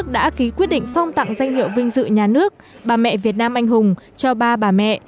danh hiệu vinh dự nhà nước bà mẹ việt nam anh hùng cho ba bà mẹ